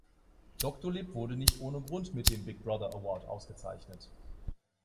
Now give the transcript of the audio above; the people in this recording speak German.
Doctolib wurde nicht ohne Grund mit dem Big-Brother-Award "ausgezeichnet".